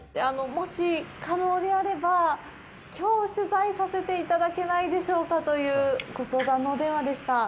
もし可能であれば、きょう取材させていただけないでしょうかというご相談のお電話でした。